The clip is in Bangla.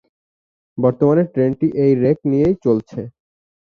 বর্তমান ট্রেনটি এই রেক নিয়েই চলছে।